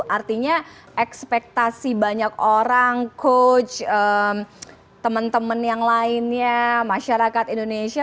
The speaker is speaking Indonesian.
artinya ekspektasi banyak orang coach teman teman yang lainnya masyarakat indonesia